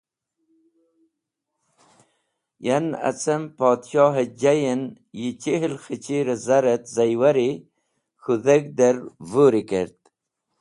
Yan acem Podshoh jay en yi chihl khichir-e zar et ziwari k̃hũ dheg̃her vũri kert .